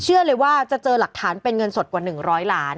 เลยว่าจะเจอหลักฐานเป็นเงินสดกว่า๑๐๐ล้าน